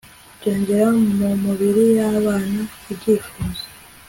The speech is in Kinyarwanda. byongera mu mubiri yabana ibyifuzo